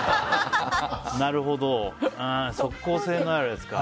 なるほど即効性のあるやつか。